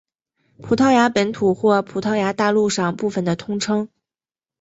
葡萄牙本土或葡萄牙大陆上部分的通称。